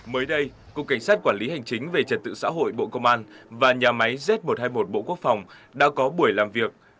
mới đây cục cảnh sát quản lý hành chính về trật tự xã hội bộ công an và nhà máy z một trăm hai mươi một bộ quốc phòng đã có buổi làm việc